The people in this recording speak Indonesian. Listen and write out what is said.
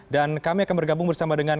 dan kami akan bergabung bersama dengan